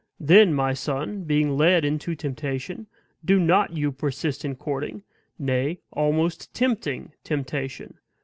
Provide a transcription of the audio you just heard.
Then, my son, being led into temptation, do not you persist in courting, nay, almost tempting temptation.